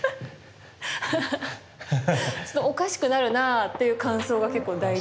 ちょっとおかしくなるなあっていう感想が結構第一印象かも。